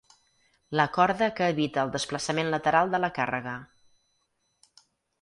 La corda que evita el desplaçament lateral de la càrrega.